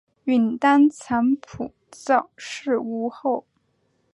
允丹藏卜早逝无后。